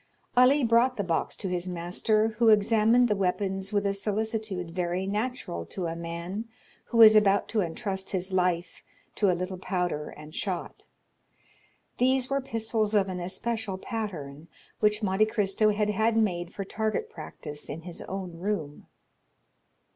Ali brought the box to his master, who examined the weapons with a solicitude very natural to a man who is about to intrust his life to a little powder and shot. These were pistols of an especial pattern, which Monte Cristo had had made for target practice in his own room.